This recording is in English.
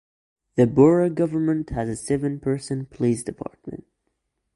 The borough government has a seven-person police department.